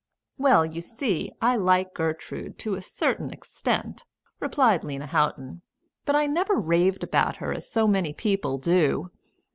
"Well, you see, I like Gertrude to a certain extent," replied Lena Houghton. "But I never raved about her as so many people do.